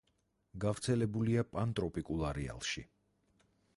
გავრცელებულია პანტროპიკულ არეალში.